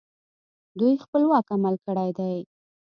دوی خپلواک عمل کړی دی